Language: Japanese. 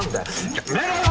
やめろよ！